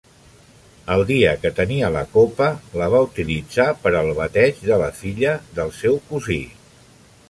El dia que tenia la copa, la va utilitzar per al bateig de la filla del seu cosí.